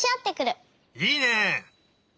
いいね！